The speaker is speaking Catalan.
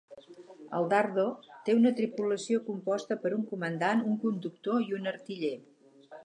El Dardo té una tripulació composta per un comandant, un conductor i un artiller.